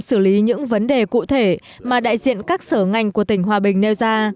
xử lý những vấn đề cụ thể mà đại diện các sở ngành của tỉnh hòa bình nêu ra